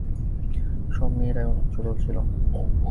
সব মেয়েরাই অনেক ছোট ছিলো।